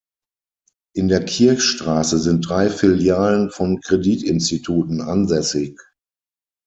In der Kirchstraße sind drei Filialen von Kreditinstituten ansässig.